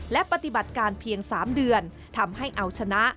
และปฏิบัติการเพียง๓เดือนทำให้เอาชนะ